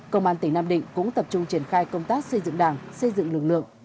công an tỉnh nam định cũng tập trung triển khai công tác xây dựng đảng xây dựng lực lượng